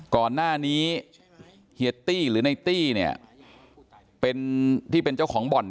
ก่อนหน้านี้เฮียตี้หรือไน่ตี้ที่เป็นเจ้าของบ่อน